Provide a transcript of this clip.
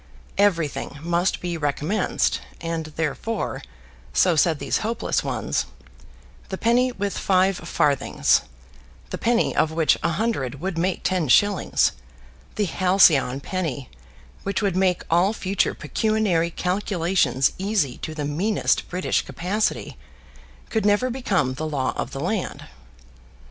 Everything must be recommenced; and therefore, so said these hopeless ones, the penny with five farthings, the penny of which a hundred would make ten shillings, the halcyon penny, which would make all future pecuniary calculations easy to the meanest British capacity, could never become the law of the land.